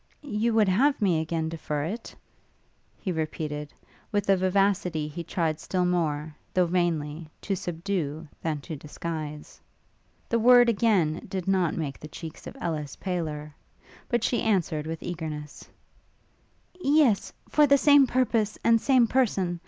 'You would have me again defer it?' he repeated, with a vivacity he tried still more, though vainly, to subdue than to disguise. The word again did not make the cheeks of Ellis paler; but she answered, with eagerness, 'Yes, for the same purpose and same person!